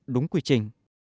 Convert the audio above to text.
đúng quy trình